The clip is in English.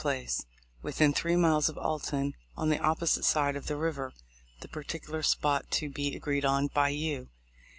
Place :— Within three miles of Alton, on the opposite side of the river, the particular spot to be agreed on by you.